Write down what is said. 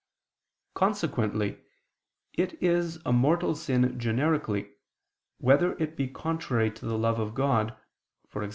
Consequently it is a mortal sin generically, whether it be contrary to the love of God, e.g.